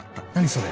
それ。